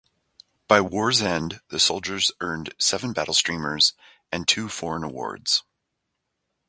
By war's end, the soldiers earned seven battle streamers and two foreign awards.